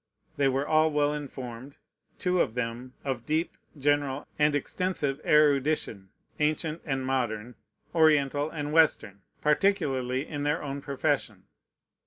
They were all well informed; two of them of deep, general, and extensive erudition, ancient and modern, Oriental and Western, particularly in their own profession.